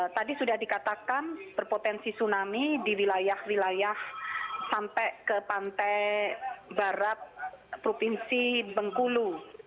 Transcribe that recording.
tadi sudah dikatakan berpotensi tsunami di wilayah wilayah sampai ke pantai barat provinsi bengkulu